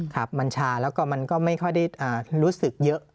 ครับมันชาแล้วก็มันก็ไม่ค่อยได้รู้สึกเยอะ